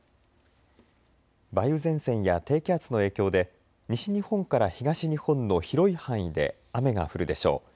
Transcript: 梅雨前線や低気圧の影響で西日本から東日本の広い範囲で雨が降るでしょう。